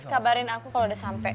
kabarin aku kalau udah sampai